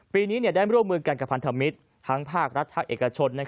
ปีนี้ได้ร่วมมือกันกับพันธมิตรทั้งภาครัฐภาคเอกชน